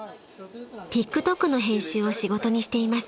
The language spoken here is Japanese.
［ＴｉｋＴｏｋの編集を仕事にしています］